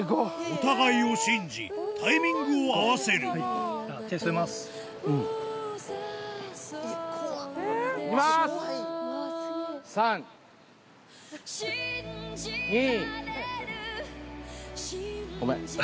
お互いを信じタイミングを合わせるそうね。